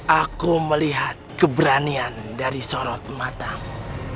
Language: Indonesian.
aku melihat keberanian dari sorot matamu